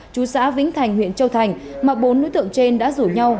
chú xã vĩnh thành huyện châu thành mà bốn đối tượng trên đã rủ nhau